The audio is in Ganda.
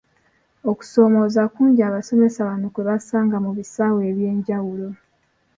Okusomooza kungi abasomesa bano kwe basanga mu bisaawe eby’enjawulo.